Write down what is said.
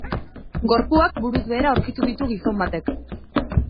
Gorpuak buruz behera aurkitu ditu gizon batek.